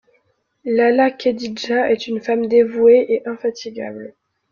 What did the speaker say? Lalla Khedidja est une femme dévouée et infatigable.